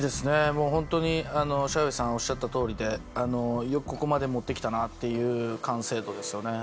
もう本当に小薇さんおっしゃったとおりでよくここまで持ってきたなっていう完成度ですよね